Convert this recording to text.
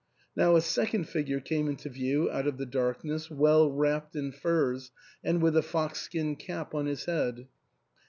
Now a second figure came into view out of the darkness, well wrapped in furs, and with a fox skin cap on his head.